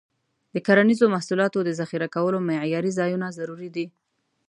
د کرنیزو محصولاتو د ذخیره کولو معیاري ځایونه ضروري دي.